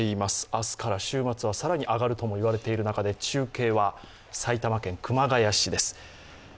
明日から週末は更に上がるとも言われている中で中継は埼玉県熊谷市です。